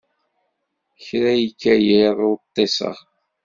Kra ikka yiḍ ur ṭṭiseɣ.